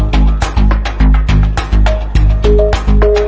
วิ่งเร็วมากครับ